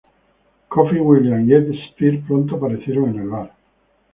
Coffee Williams y Ed Spear pronto aparecieron en el bar.